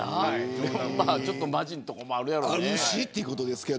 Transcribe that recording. ちょっとまじなところもあるやろうね。